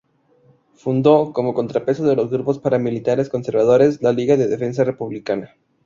Fundó, como contrapeso de los grupos paramilitares conservadores, la Liga de Defensa Republicana.